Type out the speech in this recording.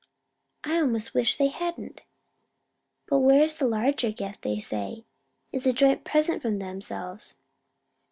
I 'most wish they hadn't." "But where's 'the larger gift' they say is 'a joint present from themselves'?"